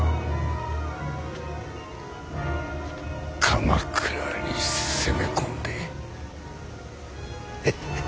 鎌倉に攻め込んでフフ。